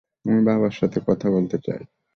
আমি বাবার সাথে কথা বলতে চাই।